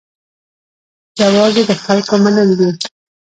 جواز یې د خلکو منل دي.